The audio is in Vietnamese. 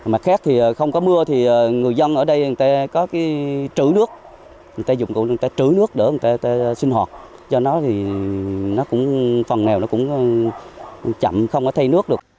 mà khác thì không có mưa thì người dân ở đây người ta có cái trữ nước người ta dùng cũng người ta trữ nước để người ta sinh hoạt do đó thì phần nghèo nó cũng chậm không có thay nước được